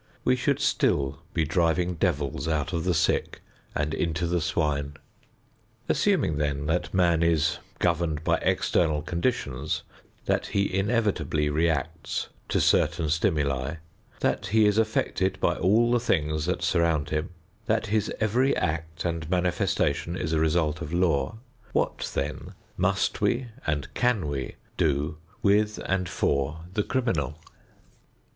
We should still be driving devils out of the sick and into the swine. Assuming then that man is governed by external conditions; that he inevitably reacts to certain stimuli; that he is affected by all the things that surround him; that his every act and manifestation is a result of law; what then must we and can we do with and for the criminal?